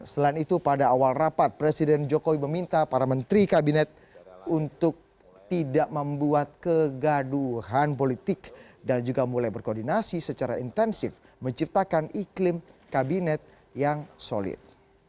selain itu pada awal rapat presiden jokowi meminta para menteri kabinet untuk tidak membuat kegaduhan politik dan juga mulai berkoordinasi secara intensif menciptakan iklim kabinet yang solid